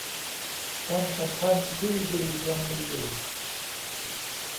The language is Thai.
ความสัมพันธ์ที่ดียังมีอยู่